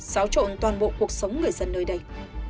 xáo trộn toàn bộ cuộc sống người dân nơi đây